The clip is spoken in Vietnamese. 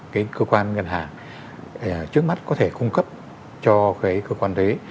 cái cơ quan ngân hàng trước mắt có thể cung cấp cho cái cơ quan thuế